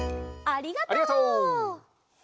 ありがとう！